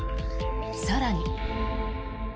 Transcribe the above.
更に。